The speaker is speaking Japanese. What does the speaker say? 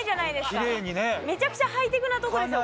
きれいにねめちゃくちゃハイテクなとこですよ